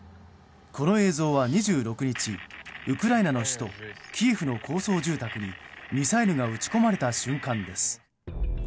この映像は２６日ウクライナの首都キエフの高層住宅に、ミサイルが撃ち込まれた瞬間です。